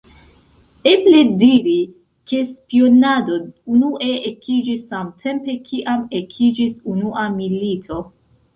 Eble diri, ke spionado unue ekiĝis samtempe, kiam ekiĝis unua milito.